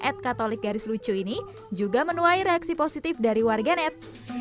instagram ad katolik garis lucu ini juga menuai reaksi positif dari warga net